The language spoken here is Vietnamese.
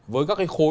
với các cái khối